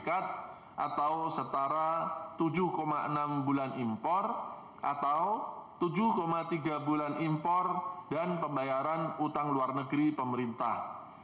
atau setara tujuh enam bulan impor atau tujuh tiga bulan impor dan pembayaran utang luar negeri pemerintah